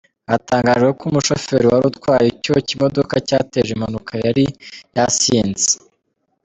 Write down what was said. Hatangajwe ko umushoferi wari utwaye icyo kimodoka cyateje impanuka yari yasinze.